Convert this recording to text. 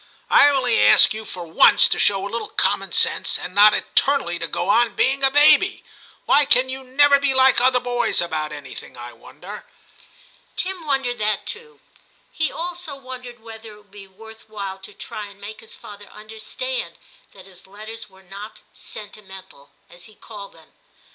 I only ask you for 2l8 TIM CHAP. once to shoWa little common sense, and not eternally to go on being a baby. Why can you never be like other boys about anything, I wonder?' Tim wondered that too ; he also wondered whether it would be worth while to try and make his father understand that his letters were not * sentimental,' as he called them.